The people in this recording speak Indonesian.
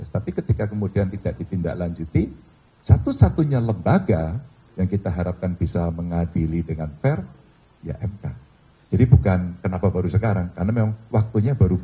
tapi kenapa dari prosesnya kejadiannya baru ketiknya